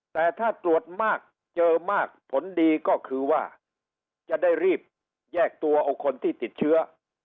แต่ถ้าตรวจมากเจอมากผลดีก็คือว่าจะได้รีบแยกตัวเอาคนที่ติดเชื้อ